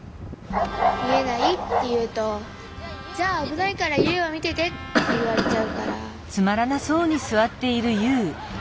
みえないっていうと「じゃあぶないからユウはみてて」っていわれちゃうから。